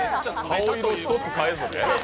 顔色１つ変えずね。